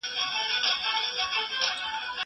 زه به اوږده موده اوبه پاکې کړې وم.